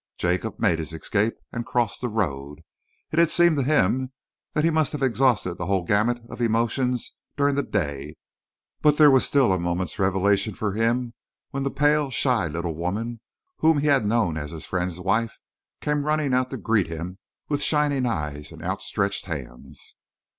Jacob made his escape and crossed the road. It had seemed to him that he must have exhausted the whole gamut of emotions during the day, but there was still a moment's revelation for him when the pale, shy, little woman whom he had known as his friend's wife came running out to greet him with shining eyes and outstretched hands.